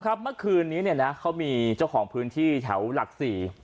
ครับเมื่อคืนนี้นะเค้ามีเจ้าของพื้นที่แถวหลักสี่